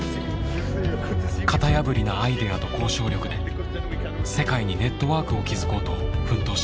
型破りなアイデアと交渉力で世界にネットワークを築こうと奮闘しています。